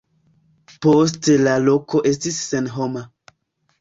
Poste la loko estis senhoma.